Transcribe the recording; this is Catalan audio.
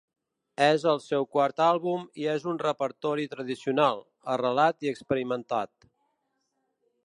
És el seu quart àlbum i és un repertori tradicional, arrelat i experimentat.